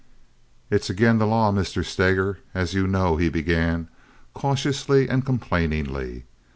"It's ag'in' the law, Mr. Steger, as you know," he began, cautiously and complainingly.